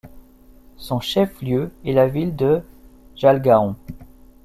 Son chef-lieu est la ville de Jalgaon.